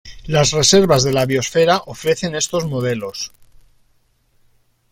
Las Reservas de la Biosfera ofrecen estos modelos.